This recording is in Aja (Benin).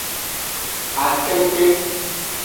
Akeke.